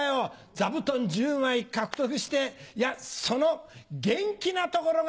座布団１０枚獲得していやその元気なところがいいね！